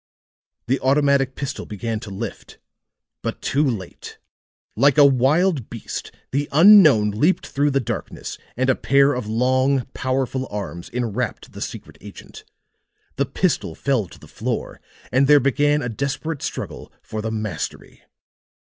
The automatic pistol began to lift but too late. Like a wild beast the unknown leaped through the darkness, and a pair of long powerful arms enwrapped the secret agent. The pistol fell to the floor, and there began a desperate struggle for the mastery.